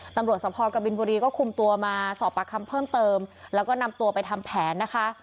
ตำรวจสภกบินบุรีก็คุมตัวมาสอบปากคำเพิ่มเติมแล้วก็นำตัวไปทำแผนนะคะ